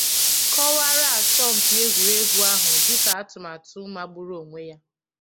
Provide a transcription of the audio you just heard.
kọwàrà asọmpi egwuregwu ahụ dịka atụmatụ magburu onwe ya